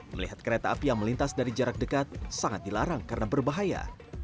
melihat kereta api yang melintas dari jarak dekat sangat dilarang karena berbahaya